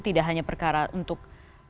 tidak hanya perkara untuk